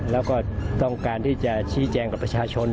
แล้วก็ต้องการที่จะชี้แจงกับประชาชน